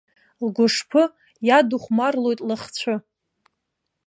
Лгәышԥы иадыхәмарлоит лыхцәы.